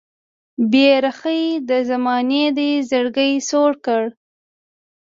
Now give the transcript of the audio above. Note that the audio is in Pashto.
بې رخۍ د زمانې دې زړګی سوړ کړ